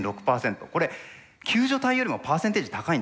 これ「救助隊」よりもパーセンテージ高いんですよね。